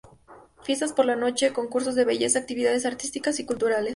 Fiestas por las noches, concursos de belleza, actividades artísticas y culturales.